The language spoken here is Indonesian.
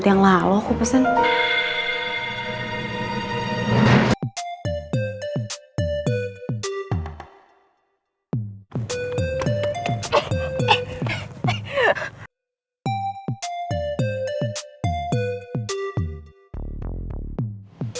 so ninguna utilizasi yang pasek buat gue hari ini